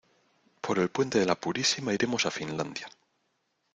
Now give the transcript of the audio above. Por el puente de la Purísima iremos a Finlandia.